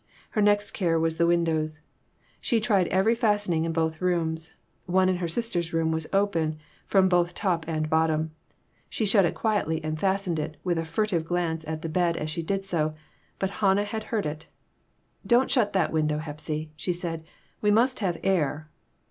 Her next care was the win dows. She tried every fastening in both rooms. One in her sister's room was open from both top and bottom. She shut it quietly, and fastened it, with a furtive glance at the bed as she did so ; but Hannah had heard it. "Don't shut that window, Hepsy," she said; "we must have air."